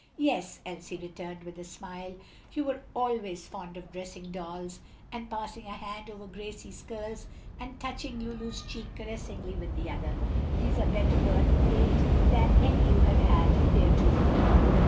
"Yes," Elsie returned, with a smile, "you were always fond of dressing dolls," and, passing a hand over Gracie's curls and touching Lulu's cheek caressingly with the other, "these are better worth it than any you have had heretofore."